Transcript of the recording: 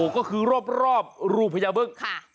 ก็คือรอบรูพญาบึ้ง